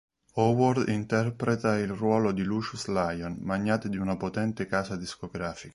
Howard interpreta il ruolo di Lucious Lyon, magnate di una potente casa discografica.